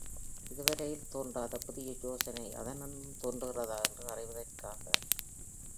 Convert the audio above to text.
இதுவரையில் தோன்றாத புதிய யோசனை அதனின்றும் தோன்றுகிறதா என்று அறிவதற்காக!